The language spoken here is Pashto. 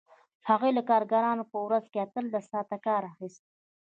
هغوی له کارګرانو په ورځ کې اتلس ساعته کار اخیست